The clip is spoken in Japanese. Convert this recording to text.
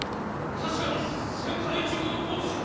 確かに千載一遇の好機じゃ。